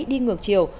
đi ngược chiều